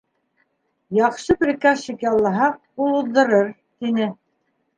Яҡшы приказчик яллаһаҡ, ул уҙҙырыр, — тине.